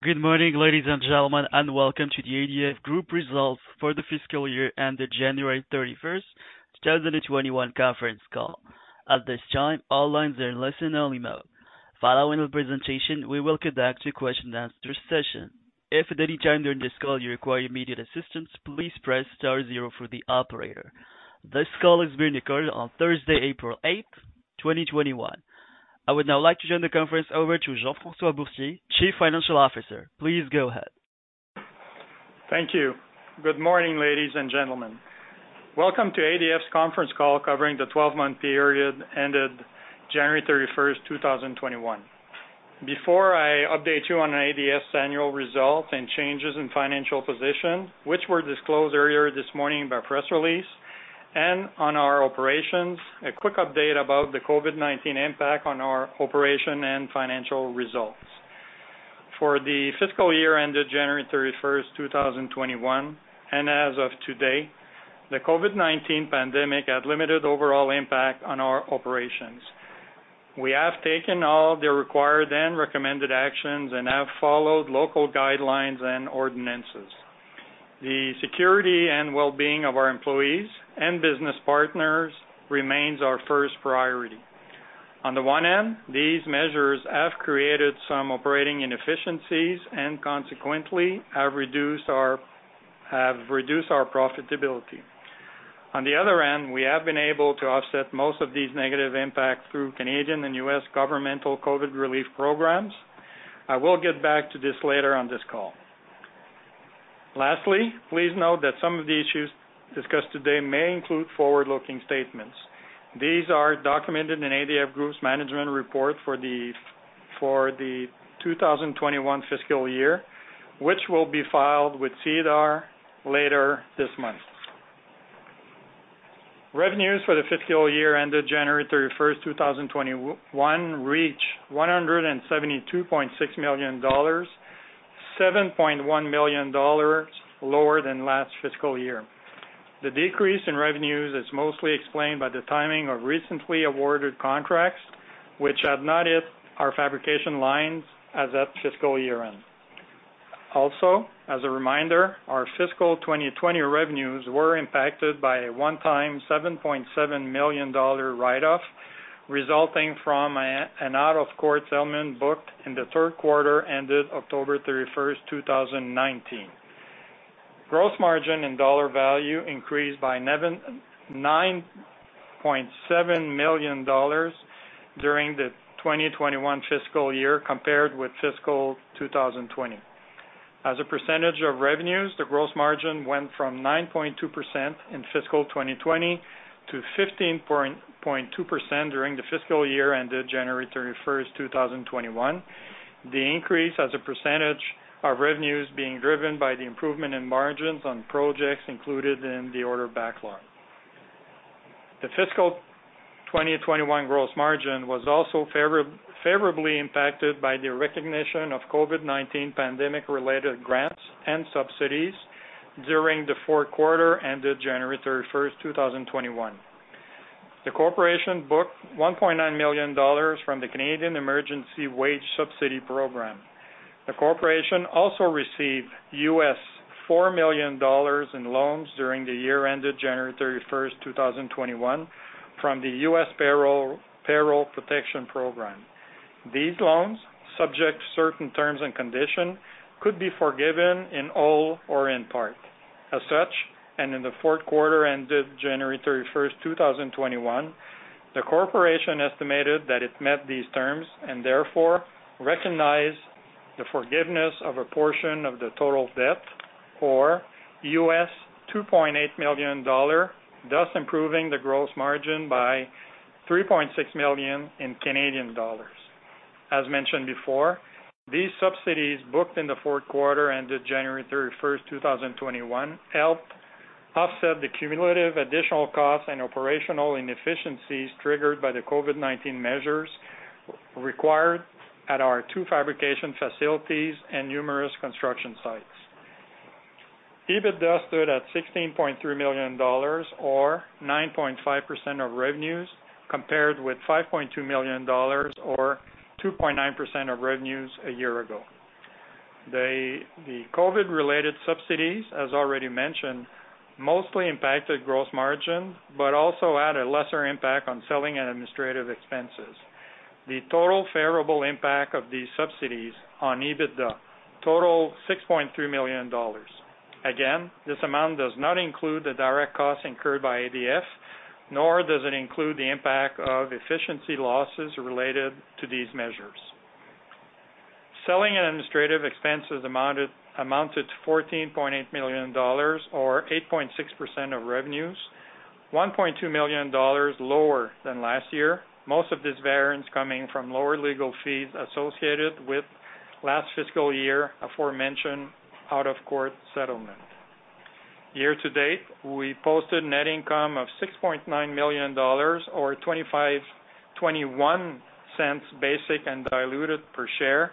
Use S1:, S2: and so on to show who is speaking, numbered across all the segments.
S1: Good morning, ladies and gentlemen, and welcome to the ADF Group results for the fiscal year ended January 31st, 2021 conference call. At this time, all lines are in listen-only mode. Following the presentation, we will conduct a question and answer session. If at any time during this call you require immediate assistance, please press star zero for the operator. This call is being recorded on Thursday, April 8, 2021. I would now like to turn the conference over to Jean-François Boursier, Chief Financial Officer. Please go ahead.
S2: Thank you. Good morning, ladies and gentlemen. Welcome to ADF's conference call covering the 12-month period ended January 31st, 2021. Before I update you on ADF's annual results and changes in financial position, which were disclosed earlier this morning by press release, and on our operations, a quick update about the COVID-19 impact on our operation and financial results. For the fiscal year ended January 31st, 2021, and as of today, the COVID-19 pandemic had limited overall impact on our operations. We have taken all the required and recommended actions and have followed local guidelines and ordinances. The security and well-being of our employees and business partners remains our first priority. On the one end, these measures have created some operating inefficiencies and consequently have reduced our profitability. On the other end, we have been able to offset most of these negative impacts through Canadian and U.S. governmental COVID-19 relief programs. I will get back to this later on this call. Lastly, please note that some of the issues discussed today may include forward-looking statements. These are documented in ADF Group's management report for the 2021 fiscal year, which will be filed with SEDAR later this month. Revenues for the fiscal year ended January 31st, 2021, reached 172.6 million dollars, 7.1 million dollars lower than last fiscal year. The decrease in revenues is mostly explained by the timing of recently awarded contracts, which have not hit our fabrication lines as at fiscal year-end. Also, as a reminder, our fiscal 2020 revenues were impacted by a one-time 7.7 million dollar write-off resulting from an out-of-court settlement booked in the third quarter ended October 31st, 2019. Gross margin in dollar value increased by 9.7 million dollars during the 2021 fiscal year compared with fiscal 2020. As a percentage of revenues, the gross margin went from 9.2% in fiscal 2020 to 15.2% during the fiscal year ended January 31st, 2021. The increase as a percentage of revenues being driven by the improvement in margins on projects included in the order backlog. The fiscal 2021 gross margin was also favorably impacted by the recognition of COVID-19 pandemic-related grants and subsidies during the fourth quarter ended January 31st, 2021. The corporation booked 1.9 million dollars from the Canada Emergency Wage Subsidy Program. The corporation also received $4 million in loans during the year ended January 31st, 2021, from the U.S. Paycheck Protection Program. These loans, subject to certain terms and conditions, could be forgiven in all or in part. In the fourth quarter ended January 31st, 2021, the corporation estimated that it met these terms and therefore recognized the forgiveness of a portion of the total debt for $2.8 million, thus improving the gross margin by 3.6 million. As mentioned before, these subsidies booked in the fourth quarter ended January 31st, 2021, helped offset the cumulative additional costs and operational inefficiencies triggered by the COVID-19 measures required at our two fabrication facilities and numerous construction sites. EBITDA stood at 16.3 million dollars or 9.5% of revenues compared with 5.2 million dollars or 2.9% of revenues a year ago. The COVID-related subsidies, as already mentioned, mostly impacted gross margin but also had a lesser impact on selling and administrative expenses. The total favorable impact of these subsidies on EBITDA total 6.3 million dollars. Again, this amount does not include the direct costs incurred by ADF, nor does it include the impact of efficiency losses related to these measures. Selling and administrative expenses amounted to 14.8 million dollars or 8.6% of revenues, 1.2 million dollars lower than last year, most of this variance coming from lower legal fees associated with last fiscal year aforementioned out-of-court settlement. Year to date, we posted net income of 6.9 million dollars or 0.21 basic and diluted per share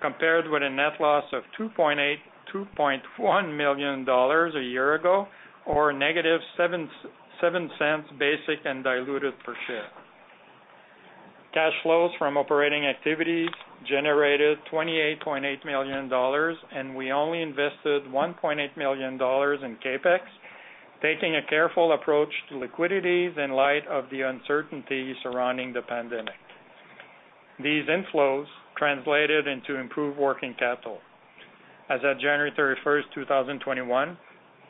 S2: compared with a net loss of 2.1 million dollars a year ago or negative 0.07 basic and diluted per share. Cash flows from operating activities generated 28.8 million dollars, and we only invested 1.8 million dollars in CapEx, taking a careful approach to liquidities in light of the uncertainty surrounding the pandemic. These inflows translated into improved working capital. As at January 31st, 2021,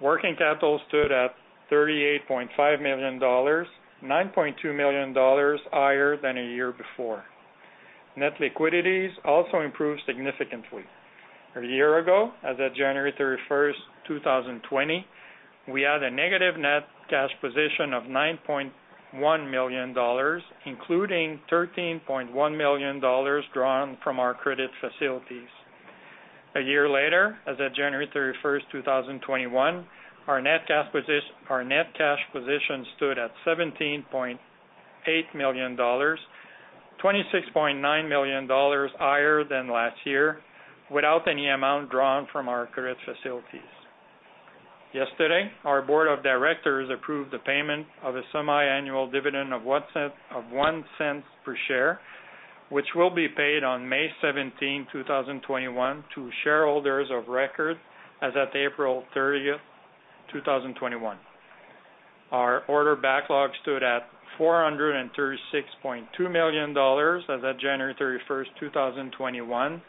S2: working capital stood at 38.5 million dollars, 9.2 million dollars higher than a year before. Net liquidities also improved significantly. A year ago, as at January 31st, 2020, we had a negative net cash position of 9.1 million dollars, including 13.1 million dollars drawn from our credit facilities. A year later, as at January 31st, 2021, our net cash position stood at 17.8 million dollars, 26.9 million dollars higher than last year, without any amount drawn from our credit facilities. Yesterday, our board of directors approved the payment of a semiannual dividend of 0.01 per share, which will be paid on May 17, 2021, to shareholders of record as at April 30th, 2021. Our order backlog stood at 436.2 million dollars as at January 31st, 2021,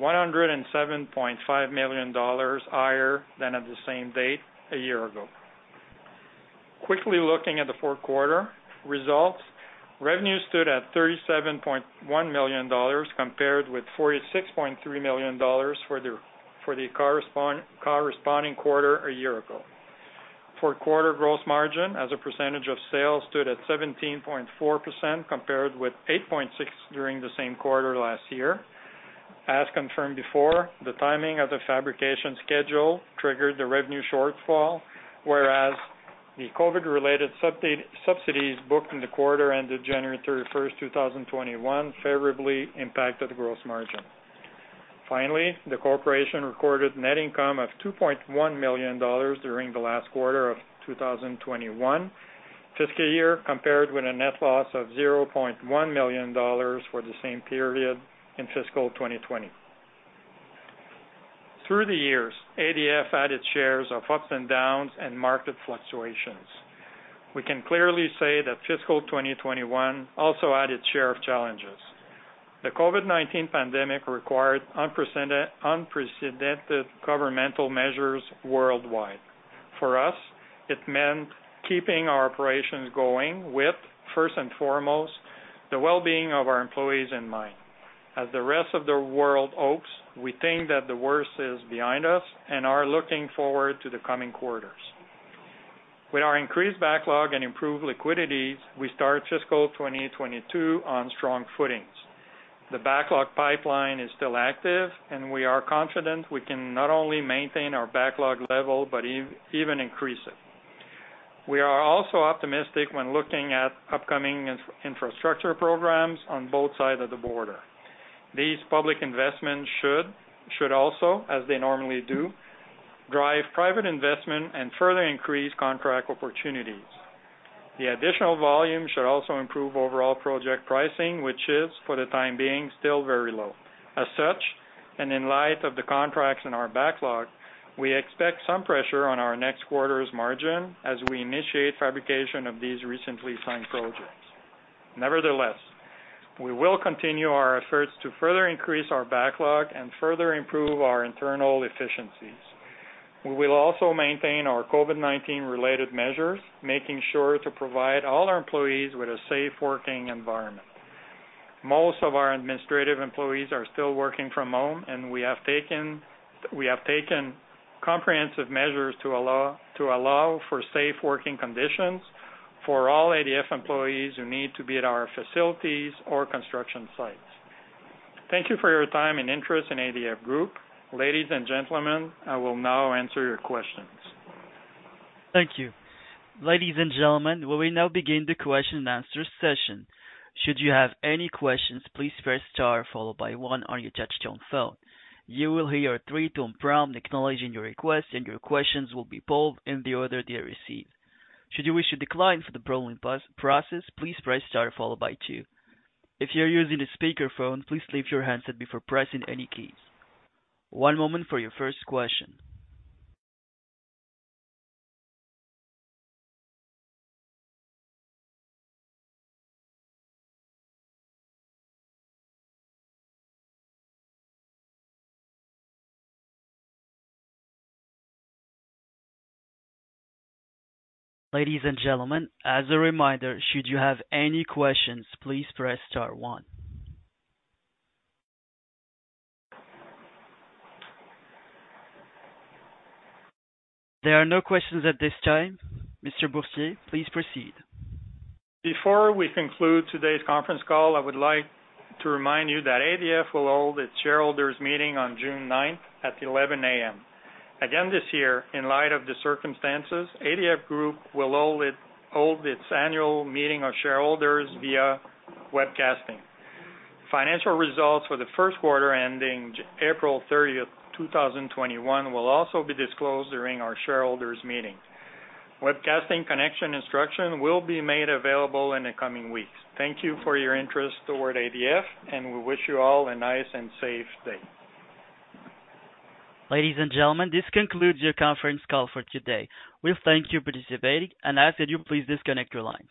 S2: 107.5 million dollars higher than at the same date a year ago. Quickly looking at the fourth quarter results, revenue stood at 37.1 million dollars compared with 46.3 million dollars for the corresponding quarter a year ago. Fourth quarter gross margin as a percentage of sales stood at 17.4% compared with 8.6% during the same quarter last year. As confirmed before, the timing of the fabrication schedule triggered the revenue shortfall, whereas the COVID-19-related subsidies booked in the quarter ended January 31st, 2021 favorably impacted gross margin. Finally, the corporation recorded net income of 2.1 million dollars during the last quarter of 2021 fiscal year, compared with a net loss of 0.1 million dollars for the same period in fiscal 2020. Through the years, ADF had its share of ups and downs and market fluctuations. We can clearly say that fiscal 2021 also had its share of challenges. The COVID-19 pandemic required unprecedented governmental measures worldwide. For us, it meant keeping our operations going with, first and foremost, the well-being of our employees in mind. As the rest of the world hopes, we think that the worst is behind us and are looking forward to the coming quarters. With our increased backlog and improved liquidities, we start fiscal 2022 on strong footings. The backlog pipeline is still active, and we are confident we can not only maintain our backlog level but even increase it. We are also optimistic when looking at upcoming infrastructure programs on both sides of the border. These public investments should also, as they normally do, drive private investment and further increase contract opportunities. The additional volume should also improve overall project pricing, which is, for the time being, still very low. As such, in light of the contracts in our backlog, we expect some pressure on our next quarter's margin as we initiate fabrication of these recently signed projects. Nevertheless, we will continue our efforts to further increase our backlog and further improve our internal efficiencies. We will also maintain our COVID-19-related measures, making sure to provide all our employees with a safe working environment. Most of our administrative employees are still working from home, and we have taken comprehensive measures to allow for safe working conditions for all ADF employees who need to be at our facilities or construction sites. Thank you for your time and interest in ADF Group. Ladies and gentlemen, I will now answer your questions.
S1: There are no questions at this time. Mr. Boursier, please proceed.
S2: Before we conclude today's conference call, I would like to remind you that ADF will hold its shareholders' meeting on June ninth at 11:00 A.M. Again, this year, in light of the circumstances, ADF Group will hold its annual meeting of shareholders via webcasting. Financial results for the first quarter ending April 30th, 2021, will also be disclosed during our shareholders' meeting. Webcasting connection instruction will be made available in the coming weeks. Thank you for your interest toward ADF, and we wish you all a nice and safe day.
S1: Ladies and gentlemen, this concludes your conference call for today. We thank you for participating and ask that you please disconnect your lines.